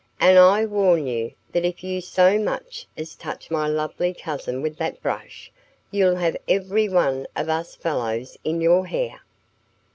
"And I warn you that if you so much as touch my lovely cousin with that brush you'll have every one of us fellows in your hair."